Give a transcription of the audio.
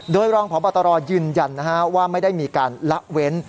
โดยรองผอบตรอยืนยันนะครับว่าไม่ได้มีการละเว้น